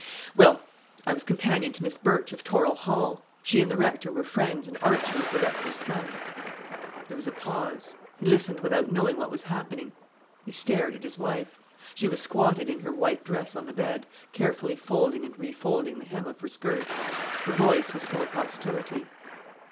"Well, I was companion to Miss Birch of Torril Hall—she and the rector were friends, and Archie was the rector's son." There was a pause. He listened without knowing what was happening. He stared at his wife. She was squatted in her white dress on the bed, carefully folding and refolding the hem of her skirt. Her voice was full of hostility.